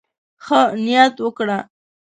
ښه نيت وکړه.